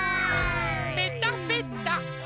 ぺたぺた。